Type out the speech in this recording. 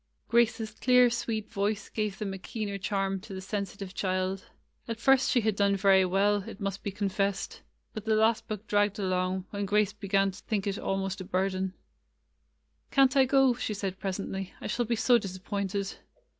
Grace's clear, sweet voice gave them a keener charm to the sensitive child. At first she had done very well, it must be confessed, but the last book dragged along, when Grace began to think it almost a burthen. ''Can't I go?" she asked presently. "I shall be so disappointed."